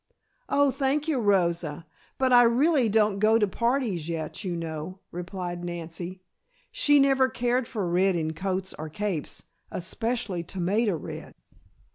"Oh, thank you, Rosa, but I really don't go to parties yet, you know," replied Nancy. She never cared for red in coats or capes, especially tomato red.